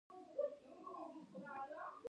د کندهار خرقه مطهره زیارت دی